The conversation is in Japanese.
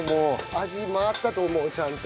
味回ったと思うちゃんと。